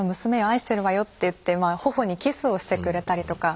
愛してるわよ」って言って頬にキスをしてくれたりとか。